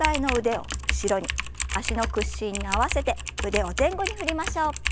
脚の屈伸に合わせて腕を前後に振りましょう。